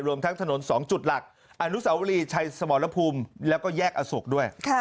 รวมทั้งถนน๒จุดหลักอนุสาวรีชัยสมรภูมิแล้วก็แยกอโศกด้วย